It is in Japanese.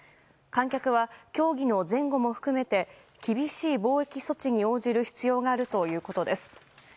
観客は競技の前後も含めて厳しい防疫措置に応じる必要があるということです。